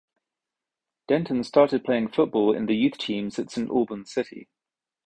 Denton started playing football in the youth teams at St Albans City.